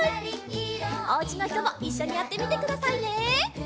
おうちのひともいっしょにやってみてくださいね！